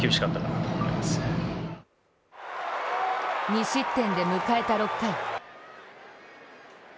２失点で迎えた６回。